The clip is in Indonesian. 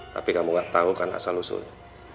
tapi kamu gak tahu kan asal usulnya